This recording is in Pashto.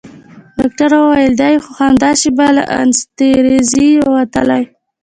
ډاکتر وويل دى خو همدا شېبه له انستيزي وتلى.